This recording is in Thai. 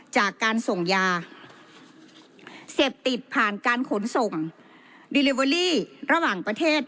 จากการส่งยาเสพติดผ่านการขนส่งระหว่างประเทศ